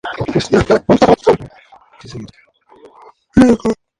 Actualmente es la sede del "Istituto Italiano di Cultura" en Madrid.